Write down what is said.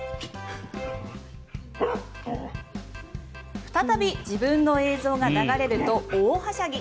再び自分の映像が流れると大はしゃぎ。